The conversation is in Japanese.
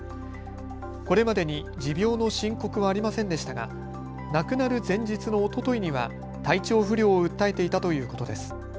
これまでに持病の申告はありませんでしたが亡くなる前日のおとといには体調不良を訴えていたということです。